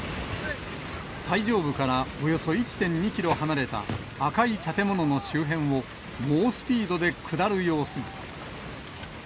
最上部からおよそ１．２キロ離れた赤い建物の周辺を、猛スピードで下る様子が。